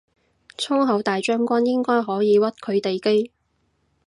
粗口大將軍應該可以屈佢哋機